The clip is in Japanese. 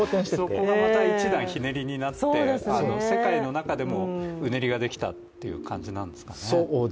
そこがまた一段ひねりになって、世界の中でもうねりができたという感じですかね。